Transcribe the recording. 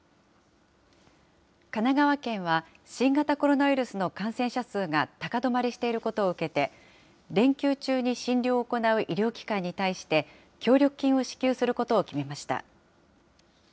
神奈川県は、新型コロナウイルスの感染者数が高止まりしていることを受けて、連休中に診療を行う医療機関に対して、協力金を支給することを決めました。